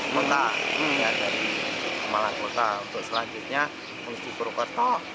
melewati pemalang purwokerto